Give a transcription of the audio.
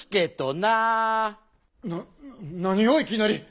な何をいきなり。